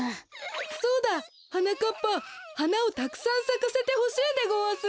そうだはなかっぱはなをたくさんさかせてほしいでごわす。